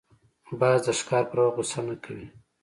باز د ښکار پر وخت غوسه نه کوي